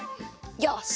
よし。